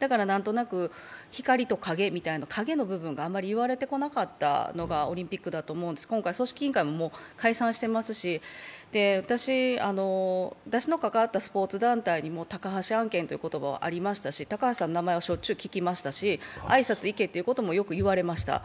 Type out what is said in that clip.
だから、何となく光と影の影の部分があまり言われてこなかったのがオリンピックだと思うんです、今回組織委員会も解散してますし私のかかわったスポーツ団体にも「高橋案件」という言葉はありましたし、高橋さんの名前はしょっちゅう聞きましたし挨拶に行けということもよく言われました。